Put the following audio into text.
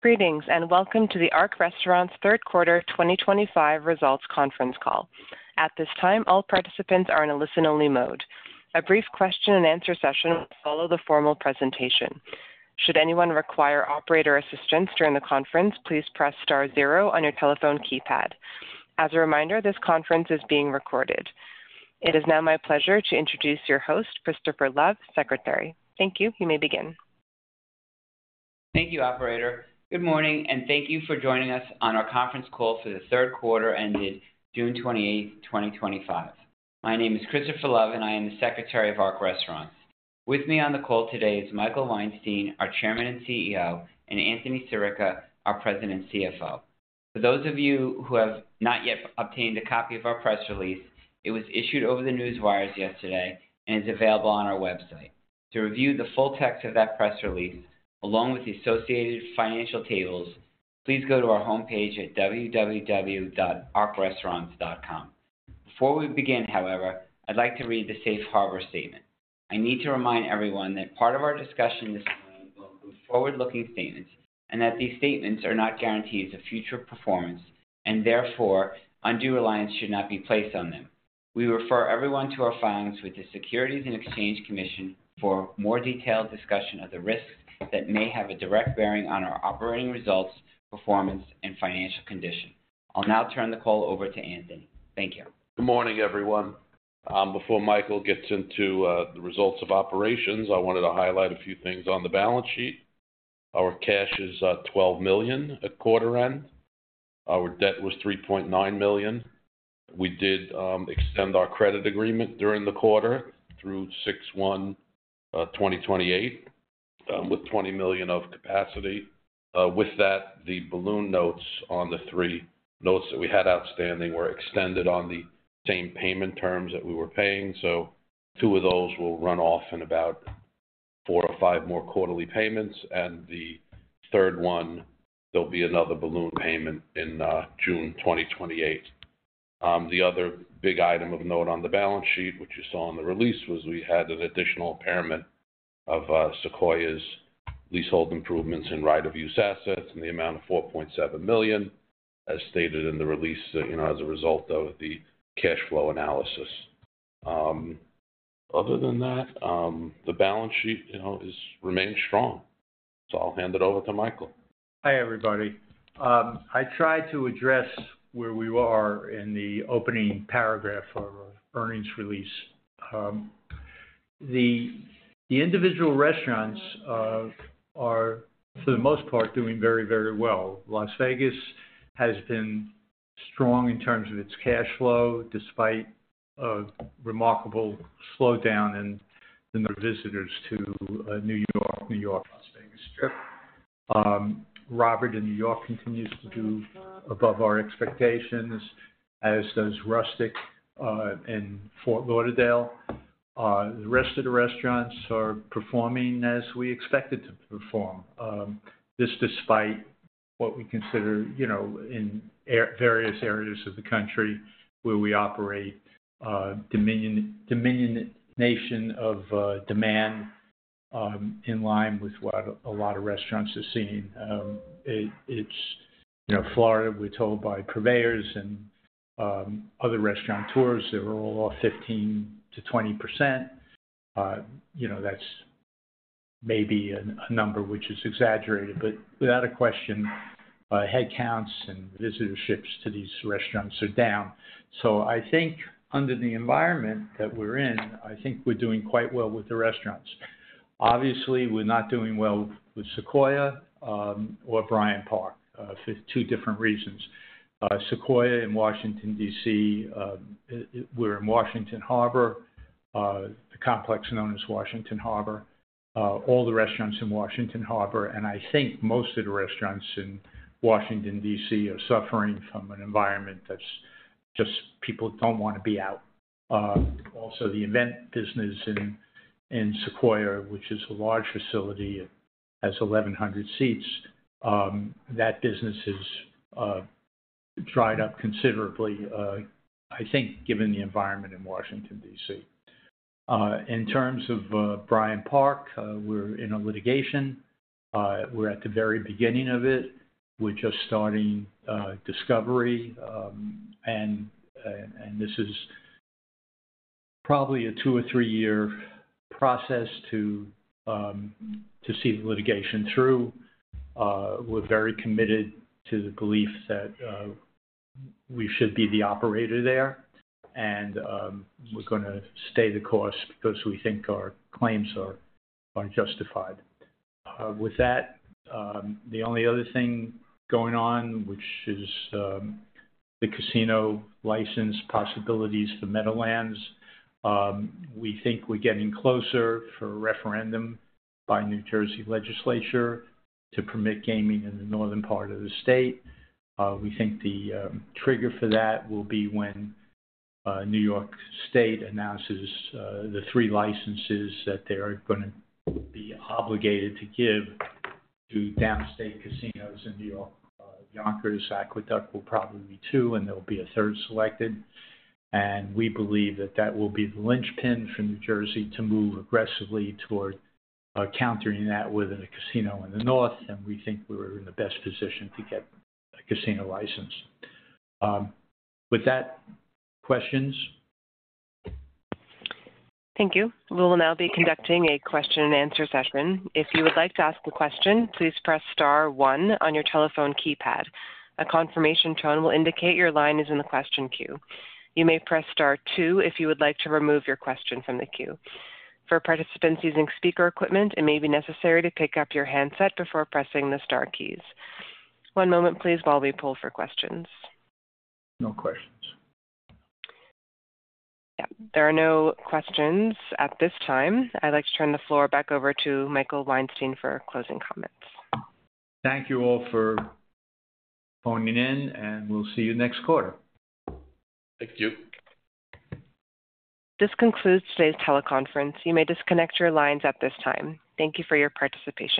Greetings and welcome to the Ark Restaurants third quarter 2025 results conference call. At this time, all participants are in a listen-only mode. A brief question-and-answer session will follow the formal presentation. Should anyone require operator assistance during the conference, please press Star, zero on your telephone keypad. As a reminder, this conference is being recorded. It is now my pleasure to introduce your host, Christopher Love, Secretary. Thank you. You may begin. Thank you, operator. Good morning and thank you for joining us on our conference call for the third quarter ended June 28, 2025. My name is Christopher Love and I am the Secretary of Ark Restaurants. With me on the call today is Michael Weinstein, our Chairman and CEO, and Anthony Sirica, our President and CFO. For those of you who have not yet obtained a copy of our press release, it was issued over the news wires yesterday and is available on our website. To review the full text of that press release, along with the associated financial tables, please go to our homepage at www.arkrestaurants.com. Before we begin, however, I'd like to read the safe harbor statement. I need to remind everyone that part of our discussion this call is forward-looking statements and that these statements are not guarantees of future performance and therefore undue reliance should not be placed on them. We refer everyone to our filings with the Securities and Exchange Commission for more detailed discussion of the risks that may have a direct bearing on our operating results, performance, and financial condition. I'll now turn the call over to Anthony. Thank you. Good morning, everyone. Before Michael gets into the results of operations, I wanted to highlight a few things on the balance sheet. Our cash is $12 million at quarter end. Our debt was $3.9 million. We did extend our credit agreement during the quarter through 6/1/2028, with $20 million of capacity. With that, the balloon notes on the three notes that we had outstanding were extended on the same payment terms that we were paying. Two of those will run off in about four or five more quarterly payments, and the third one, there'll be another balloon payment in June 2028. The other big item of note on the balance sheet, which you saw in the release, was we had an additional impairment of Sequoia's leasehold improvements and right-of-use assets in the amount of $4.7 million, as stated in the release, as a result of the cash flow analysis. Other than that, the balance sheet remains strong. I'll hand it over to Michael. Hi everybody. I tried to address where we were in the opening paragraph of the earnings release. The individual restaurants are, for the most part, doing very, very well. Las Vegas has been strong in terms of its cash flow despite a remarkable slowdown in the visitors to New York-New York, Las Vegas trip. Robert in New York continues to do above our expectations, as does Rustic in Fort Lauderdale. The rest of the restaurants are performing as we expect it to perform. This is despite what we consider, you know, in various areas of the country where we operate, a diminution of demand in line with what a lot of restaurants are seeing. It's, you know, Florida, we're told by purveyors and other restaurateurs, they're all 15%-20%. You know, that's maybe a number which is exaggerated, but without a question, headcounts and visitorships to these restaurants are down. I think under the environment that we're in, I think we're doing quite well with the restaurants. Obviously, we're not doing well with Sequoia or Bryant Park, for two different reasons. Sequoia in Washington, D.C., we're in Washington Harbor, the complex known as Washington Harbor. All the restaurants in Washington Harbor, and I think most of the restaurants in Washington, D.C., are suffering from an environment that's just people don't want to be out. Also, the event business in Sequoia, which is a large facility that has 1,100 seats, that business has dried up considerably, I think, given the environment in Washington, D.C. In terms of Bryant Park, we're in a litigation. We're at the very beginning of it. We're just starting discovery, and this is probably a two or three-year process to see the litigation through. We're very committed to the belief that we should be the operator there, and we're going to stay the course because we think our claims are justified. With that, the only other thing going on, which is the casino license possibilities for Meadowlands, we think we're getting closer for a referendum by New Jersey legislature to permit gaming in the northern part of the state. We think the trigger for that will be when New York State announces the three licenses that they're going to be obligated to give to downstate casinos in New York. Yonkers, Aqueduct will probably be two, and there'll be a third selected. We believe that that will be the linchpin for New Jersey to move aggressively toward countering that with a casino in the north, and we think we're in the best position to get a casino license. With that, questions. Thank you. We will now be conducting a question-and-answer session. If you would like to ask a question, please press Star, one on your telephone keypad. A confirmation tone will indicate your line is in the question queue. You may press Star, two if you would like to remove your question from the queue. For participants using speaker equipment, it may be necessary to pick up your handset before pressing the Star keys. One moment, please, while we pull for questions. No questions. There are no questions at this time. I'd like to turn the floor back over to Michael Weinstein for closing comments. Thank you all for phoning in, and we'll see you next quarter. Thank you. This concludes today's teleconference. You may disconnect your lines at this time. Thank you for your participation.